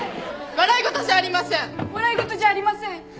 「笑い事じゃありません」